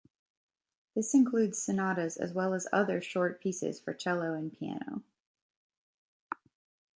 This includes sonatas as well as other short pieces for cello and piano.